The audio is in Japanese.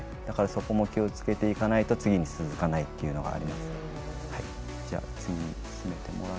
だからそこも気をつけていかないと次に続かないというのがあります。